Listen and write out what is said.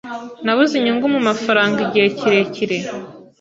Nabuze inyungu mumafaranga igihe kirekire